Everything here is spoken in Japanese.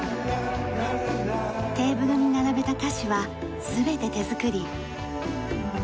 テーブルに並べた菓子は全て手作り。